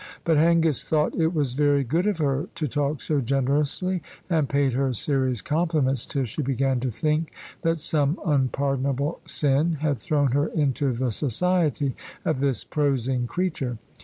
But Hengist thought it was very good of her to talk so generously, and paid her serious compliments till she began to think that some unpardonable sin had thrown her into the society of this prosing creature.